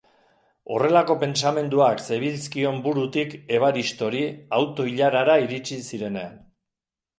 Horrelako pentsamenduak zebilzkion burutik Evaristori auto-ilarara iritsi zirenean.